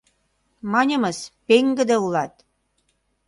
Маньымыс, пеҥгыде улат.